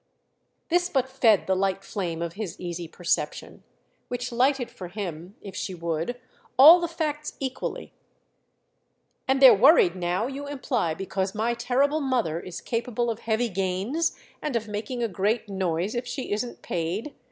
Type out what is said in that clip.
This but fed the light flame of his easy perception—which lighted for him, if she would, all the facts equally. "And they're worried now, you imply, because my terrible mother is capable of heavy gains and of making a great noise if she isn't paid?